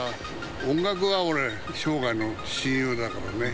音楽は俺、生涯の親友だからね。